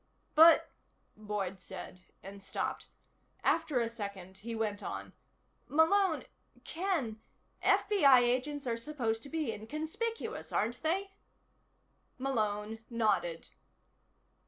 "But," Boyd said, and stopped. After a second he went on: "Malone Ken FBI agents are supposed to be inconspicuous, aren't they?" Malone nodded.